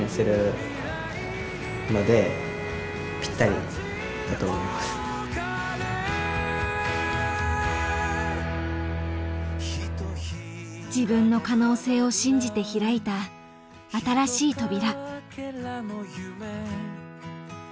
その花言葉は自分の可能性を信じて開いた新しい扉。